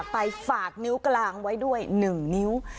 ไปฝากนิ้วกลางไว้ด้วย๑นิ้ว